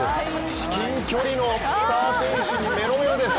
至近距離のスター選手にメロメロです。